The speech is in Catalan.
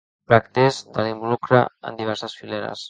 Bràctees de l'involucre en diverses fileres.